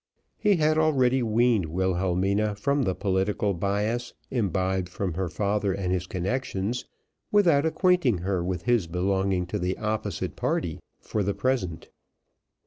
He had already weaned Wilhelmina from the political bias, imbibed from her father and his connections, without acquainting her with his belonging to the opposite party, for the present.